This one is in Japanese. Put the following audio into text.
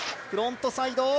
フロントサイド５４０。